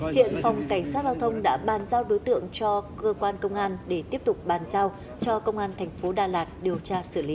hiện phòng cảnh sát giao thông đã bàn giao đối tượng cho cơ quan công an để tiếp tục bàn giao cho công an thành phố đà lạt điều tra xử lý